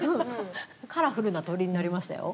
カラフルな鳥になりましたよ。